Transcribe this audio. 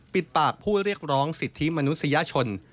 ปิดปากผู้เรียกร้องสิทธิมนุษยชน